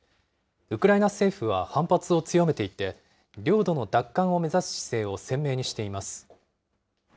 ウクライナ政府は反発を強めていて、領土の奪還を目指す姿勢を鮮明にしています。